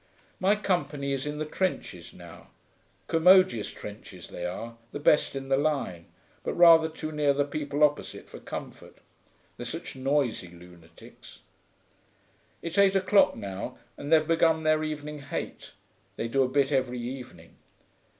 My company is in the trenches now; commodious trenches they are, the best in the line, but rather too near the people opposite for comfort they're such noisy lunatics. It's eight o'clock now, and they've begun their evening hate; they do a bit every evening.